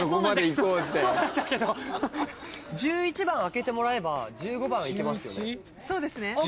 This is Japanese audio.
１１番開けてもらえば１５番は行けますよね。